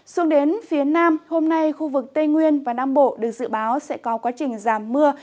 xuống đến phía nam hôm nay khu vực tây nguyên và nam bộ được dự báo sẽ có quá trình giảm mưa